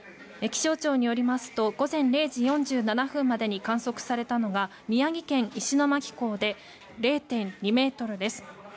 気象庁によりますと午前０時４７分までに観測されたのが宮城県石巻港で０．２ｍです。